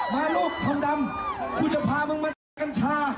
มารูปทองดำกูจะพามึงมาดูกัญชา